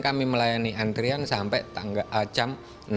kami melayani antrian sampai tanggal jam enam